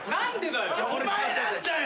お前なんだよ。